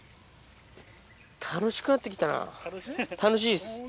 楽しくなって来たな楽しいです。